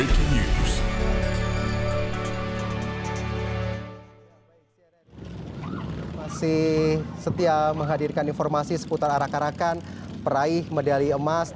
cnn indonesia breaking news